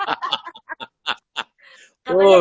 katanya kangen ya